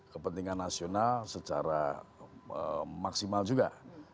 kepentingan nasional secara maksimal juga